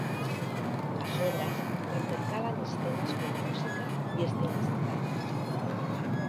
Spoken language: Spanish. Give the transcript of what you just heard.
Las obras intercalan escenas con música y escenas habladas.